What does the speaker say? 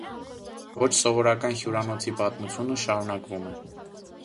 Ոչ սովորական հյուրանոցի պատմությունը շարունակվում է։